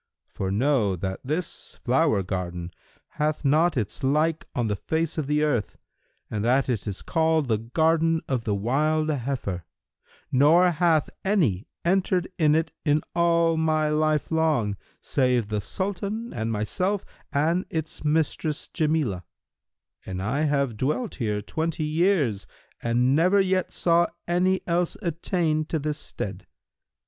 For know that this flower garden hath not its like on the face of the earth and that it is called the Garden of the Wild Heifer,[FN#316] nor hath any entered it in all my life long, save the Sultan and myself and its mistress Jamilah; and I have dwelt here twenty years and never yet saw any else attain to this stead.